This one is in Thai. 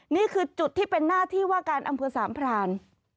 นี่คือจุดที่เป็นหน้าที่ว่าการอำเภอสามพราน